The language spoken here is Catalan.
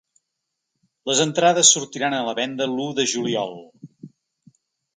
Les entrades sortiran a la venda l’u de juliol.